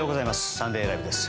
「サンデーＬＩＶＥ！！」です。